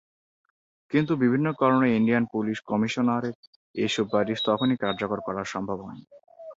কিন্তু বিভিন্ন কারনে ইন্ডিয়ান পুলিশ কমিশনের এ সুপারিশ তখনই কার্যকর করা সম্ভব হয়নি।